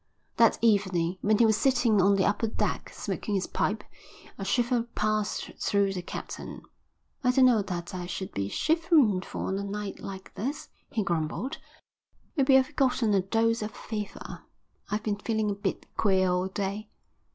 That evening, when he was sitting on the upper deck, smoking his pipe, a shiver passed through the captain. "I don't know what I should be shiverin' for on a night like this," he grumbled. "Maybe I've gotten a dose of fever. I've been feelin' a bit queer all day."